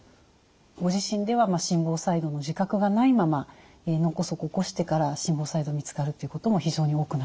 ご自身では心房細動の自覚がないまま脳梗塞を起こしてから心房細動が見つかるということも非常に多くなってます。